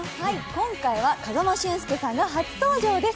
今回は風間俊介さんが初登場です。